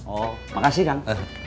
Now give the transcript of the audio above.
oh makasih kang